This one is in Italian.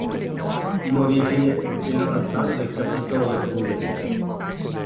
In origine era la sala del Capitolo del Convento.